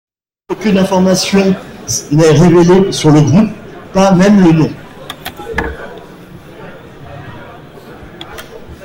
Aucune information n'est révélé sur le groupe, pas même le nom.